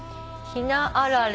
ひなあられ。